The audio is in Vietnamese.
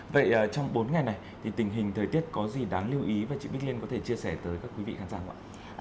vậy trong bốn ngày này thì tình hình thời tiết có gì đáng lưu ý và chị bích liên có thể chia sẻ tới các quý vị khán giả không ạ